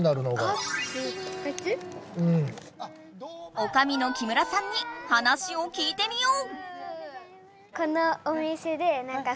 おかみの木村さんに話を聞いてみよう！